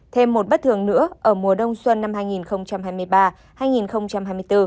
thêm một bất thường nữa ở mùa đông xuân năm hai nghìn hai mươi ba